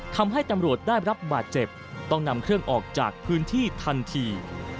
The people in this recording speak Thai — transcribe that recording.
ทำให้ตำรวจได้รับบาดเจ็บต้องนำเครื่องออกจากพื้นที่ทันที